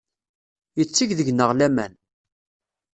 Yetteg deg-neɣ laman.